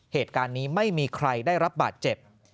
เหตุการณ์นี้ไม่มีใครได้รับบาดเจ็บ